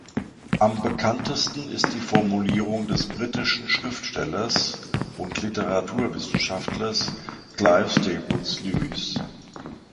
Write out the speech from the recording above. Am bekanntesten ist die Formulierung des britischen Schriftstellers und Literaturwissenschaftlers Clive Staples Lewis.